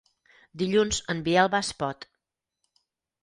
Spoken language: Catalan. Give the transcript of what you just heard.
Dilluns en Biel va a Espot.